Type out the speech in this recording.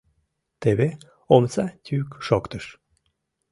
Теве омса йӱк шоктыш.